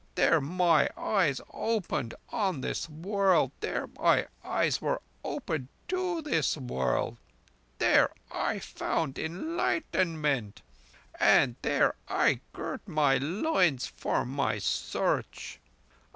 There my eyes opened on this world; there my eyes were opened to this world; there I found Enlightenment; and there I girt my loins for my Search.